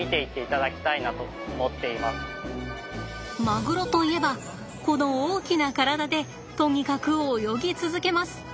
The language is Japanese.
マグロといえばこの大きな体でとにかく泳ぎ続けます。